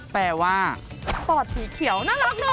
แปลว่าปอดสีเขียวน่ารักเนอ